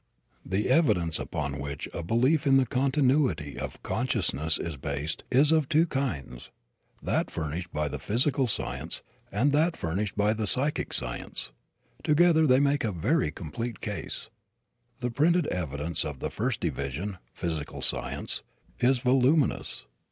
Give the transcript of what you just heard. The evidence upon which a belief in the continuity of consciousness is based is of two kinds that furnished by physical science and that furnished by psychic science. Together they make a very complete case. The printed evidence of the first division physical science is voluminous.